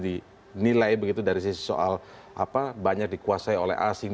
dinilai begitu dari sisi soal banyak dikuasai oleh asing